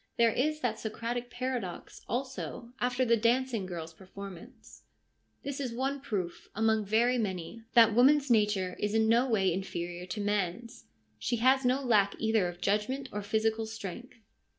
There is that Socratic paradox, also, after the dancing girl's performance : 1 This is one proof, among very many, that woman's nature is in no way inferior to man's : she has no lack either of judgment or physical strength.'